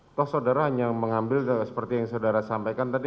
atau saudara hanya mengambil seperti yang saudara sampaikan tadi